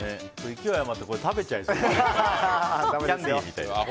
勢い余って食べちゃいそう。